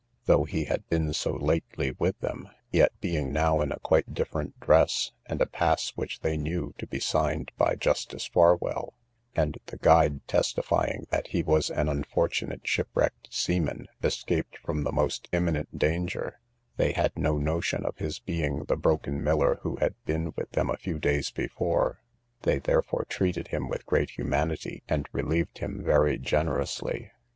Though he had been so lately with them, yet, being now in a quite different dress, and a pass which they knew to be signed by Justice Farwell, and the guide testifying that he was an unfortunate shipwrecked seaman, escaped from the most imminent danger, they had no notion of his being the broken miller who had been with them a few days before; they therefore treated him with great humanity, and relieved him very generously.